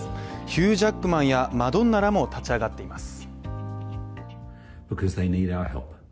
ヒュー・ジャックマンやマドンナらも立ち上がっています。